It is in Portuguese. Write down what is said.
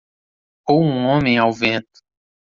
ou um homem ao vento.